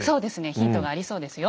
ヒントがありそうですよ。